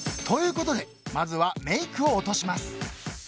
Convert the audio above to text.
［ということでまずはメイクを落とします］